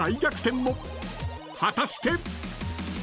［果たして！？］